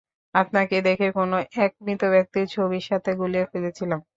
আপনাকে দেখে কোন এক মৃত ব্যাক্তির ছবির সাথে গুলিয়ে ফেলেছিলাম।